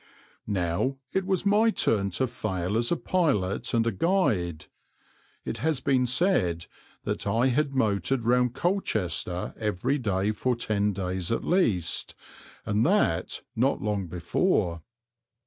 Now it was my turn to fail as a pilot and a guide. It has been said that I had motored round Colchester every day for ten days at least, and that not long before.